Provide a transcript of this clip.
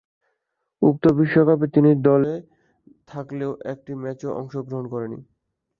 উক্ত বিশ্বকাপে তিনি দলে থাকলেও একটি ম্যাচেও অংশগ্রহণ করেননি।